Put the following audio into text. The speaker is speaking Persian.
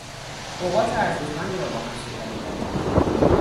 اوقات ارزشمندی را با هم سپری کردیم.